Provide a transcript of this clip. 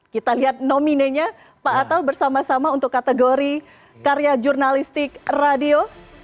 kita lihat nominenya pak atal bersama sama untuk kategori karya jurnalistik radio